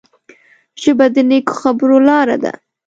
ژبه د نیکو خبرو لاره ده